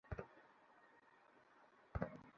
দুঃখিত আপনি কী যেনো বলেছিলেন পারবে তুমি?